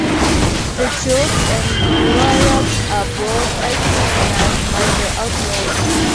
The Duke and Thurio are brought as prisoners by the outlaws.